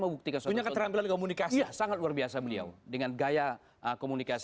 mau buktikan setelah terambil komunikasi yang sangat luar biasa beliau dengan gaya komunikasi